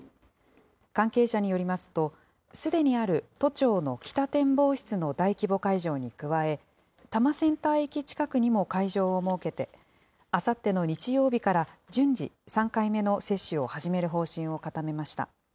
関係者によりますと、すでにある都庁の北展望室の大規模会場に加え、多摩センター駅近くにも会場を設けて、あさっての日曜日から順次３回目の接種を始める方針を固めました。